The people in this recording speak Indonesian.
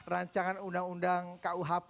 rancangan undang undang kuhp